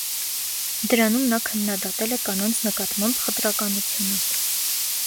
Դրանում նա քննադատել է կանանց նկատմամբ խտրականությունը։